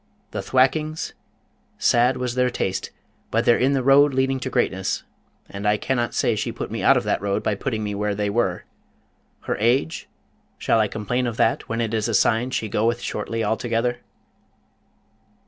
The thwackings? sad was their taste, but they're in the road leading to greatness, and I cannot say she put me out of that road in putting me where they were. Her age? shall I complain of that when it is a sign she goeth shortly altogether?'